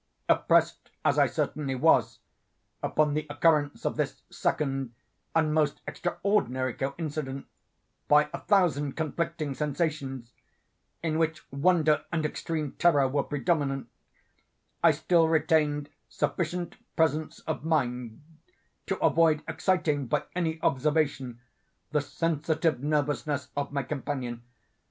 Oppressed, as I certainly was, upon the occurrence of this second and most extraordinary coincidence, by a thousand conflicting sensations, in which wonder and extreme terror were predominant, I still retained sufficient presence of mind to avoid exciting, by any observation, the sensitive nervousness of my companion.